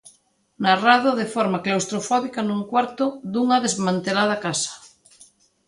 Narrado de forma claustrofóbica nun cuarto de unha desmantelada casa.